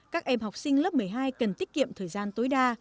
các em học sinh lớp một mươi hai cần tiết kiệm thời gian tối đa